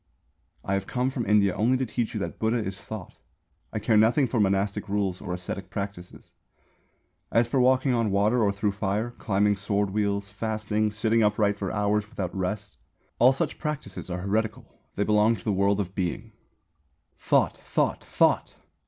"I have come from India only to teach you that Buddha is Thought. I care nothing for monastic rules or ascetic practices. As for walking on water or through fire, climbing sword wheels, fasting, sitting upright for hours without rest all such practices are heretical; they belong to the World of Being. "Thought, Thought, Thought!